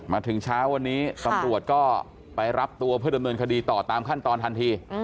มาถึงเช้าวันนี้ตำรวจก็ไปรับตัวเพื่อดำเนินคดีต่อตามขั้นตอนทันที